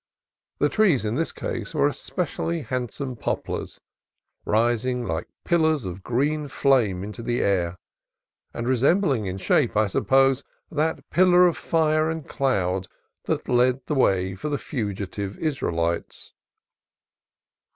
The trees in this case were espe cially handsome poplars, rising like pillars of green flame into the air, and resembling in shape, I sup pose, that pillar of fire and cloud that led the way for the fugitive Israelites.